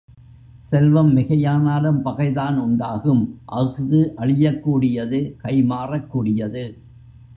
செல்வம் மிகையானாலும் பகைதான் உண்டாகும் அஃது அழியக் கூடியது கைமாறக் கூடியது.